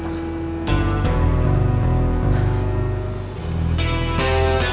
dia mencoba mengelur waktu